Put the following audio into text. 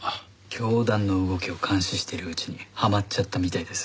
教団の動きを監視してるうちにはまっちゃったみたいです。